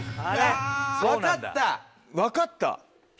「わかった」？